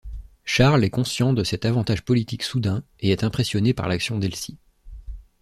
Charles est conscient de cet avantage politique soudain et est impressionné par l'action d'Elsie.